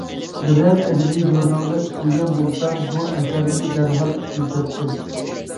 بىرەر ئەدەبىي ژۇرنالدا ئىشلىگەن بولسام، بۇ ئەسەرنى دەرھال ئىشلىتەتتىم.